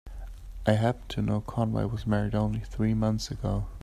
I happen to know Conway was married only three months ago.